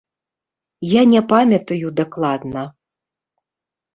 Я не памятаю дакладна.